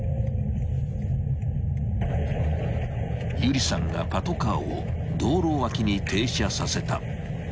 ［有理さんがパトカーを道路脇に停車させた］